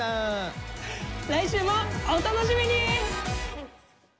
来週もお楽しみに！